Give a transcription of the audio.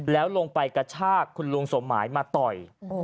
แล้วลงไปกระชากคุณลุงสมหมายมาต่อย